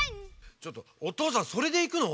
ちょっとおとうさんそれでいくの？